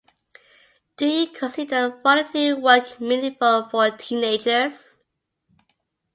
Do you consider volunteer work meaningful for teenagers?